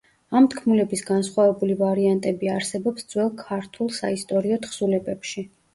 ამ თქმულების განსხვავებული ვარიანტები არსებობს ძველ ქართულ საისტორიო თხზულებებში.